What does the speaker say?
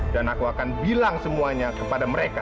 dan aku akan bilang semuanya kepada mereka